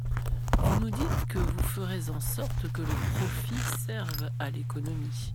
Vous nous dites que vous ferez en sorte que le profit serve à l’économie.